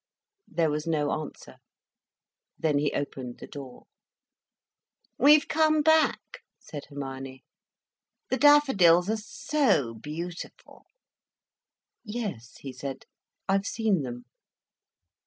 There was no answer. Then he opened the door. "We've come back," said Hermione. "The daffodils are so beautiful." "Yes," he said, "I've seen them."